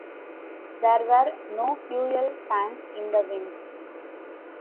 There were no fuel tanks in the wings.